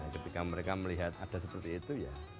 ketika mereka melihat ada seperti itu ya